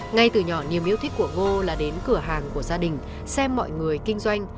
ngay từ nhỏ niềm yêu thích của ngô là đến cửa hàng của gia đình xem mọi người kinh doanh